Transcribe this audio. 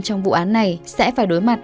trong vụ án này sẽ phải đối mặt